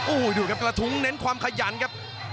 โอ้โหดูครับกระทุ้งเน้นความขยันครับ